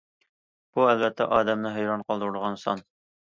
بۇ ئەلۋەتتە ئادەمنى ھەيران قالدۇرىدىغان سان.